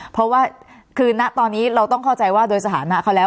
เพราะว่าคือณตอนนี้เราต้องเข้าใจว่าโดยสถานะเขาแล้ว